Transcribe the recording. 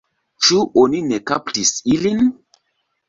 Ĉu oni ne kaptis ilin?